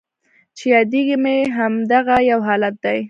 چې یادیږي مې همدغه یو حالت دی